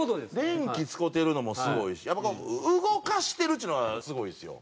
電機使うてるのもすごいし動かしてるっちゅうのはすごいですよ。